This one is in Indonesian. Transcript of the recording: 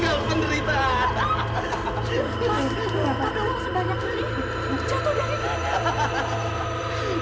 jatuh dari kandang